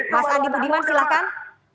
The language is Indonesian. mas andi budiman silahkan